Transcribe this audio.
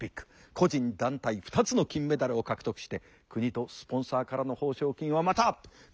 個人団体２つの金メダルを獲得して国とスポンサーからの報奨金はまた今度は５，０００万円が贈られた。